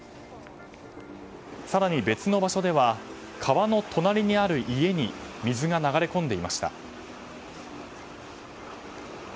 更に別の場所では川の隣にある家に水が流れ込んでいました。